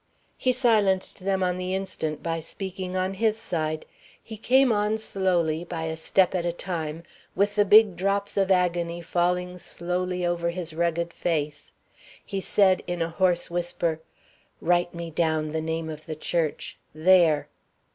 He silenced them on the instant by speaking on his side. He came on slowly, by a step at a time, with the big drops of agony falling slowly over his rugged face. He said, in a hoarse whisper, "Write me down the name of the church there."